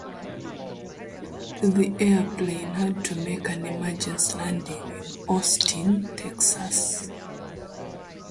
The airplane had to make an emergency landing in Austin, Texas.